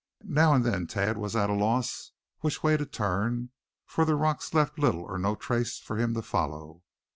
Now and then Thad was at a loss which way to turn, for the rocks left little or no trace for him to follow.